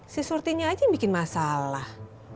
si surtinya aja yang bikin masalah